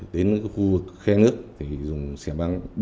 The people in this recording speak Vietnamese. đến cái khu vực khe nước thì dùng xẻ băng đâm chết nạn nhân